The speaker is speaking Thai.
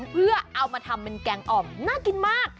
เพื่อเอามาทำเป็นแกงอ่อมน่ากินมาก